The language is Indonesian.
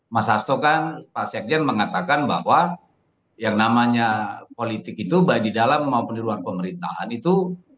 mas hasto kan pak sekjen mengatakan bahwa yang namanya politik itu baik di dalam maupun di luar pemerintahan itu